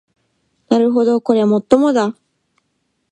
なるほどこりゃもっともだ